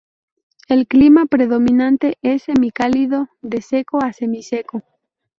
El clima predominante es semicálido de seco a semiseco.